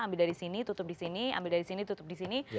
ambil dari sini tutup di sini ambil dari sini tutup di sini